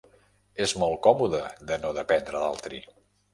És molt còmode de no dependre d'altri.